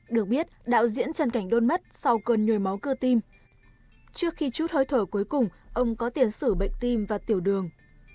được biết đạo diễn trần cảnh đôn mất sau cơn nhồi máu cưa tim trước khi chút hơi thở cuối cùng ông có tiền xử bệnh tim và tiểu đường